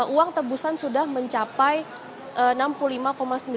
untuk dikas pajak sampai kedatangan mereka pada siang hari tadi